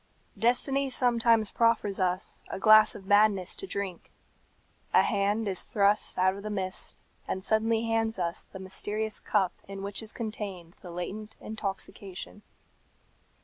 Destiny sometimes proffers us a glass of madness to drink. A hand is thrust out of the mist, and suddenly hands us the mysterious cup in which is contained the latent intoxication.